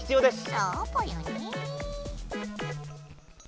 そうぽよね。